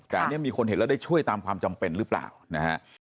แต่อันนี้มีคนเห็นแล้วได้ช่วยตามความจำเป็นหรือเปล่านะฮะ